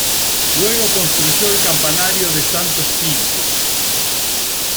Luego construyó el campanario de Santo Spirito.